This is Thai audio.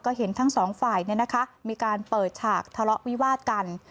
ก็เห็นทั้งสองฝ่ายมีการเปิดฉากทะเลาะวิวาดกัน